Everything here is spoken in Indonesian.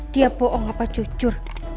dia bohong apa jujur